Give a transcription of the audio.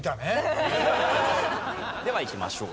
ではいきましょう。